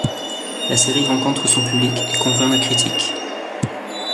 La série rencontre son public et convainc la critique.